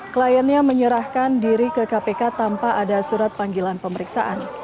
kliennya menyerahkan diri ke kpk tanpa ada surat panggilan pemeriksaan